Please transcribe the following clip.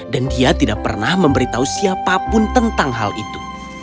dan dia tidak pernah memberitahu siapapun tentang hal itu